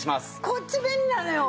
こっち便利なのよ！